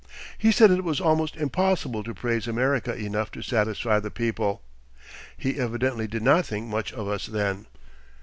He said it was almost impossible to praise America enough to satisfy the people. He evidently did not think much of us then.